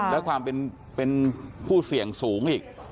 และความเป็นผู้เสี่ยงสูงอีก